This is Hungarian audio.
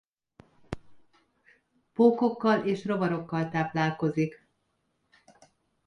Pókokkal és rovarokkal táplálkozik.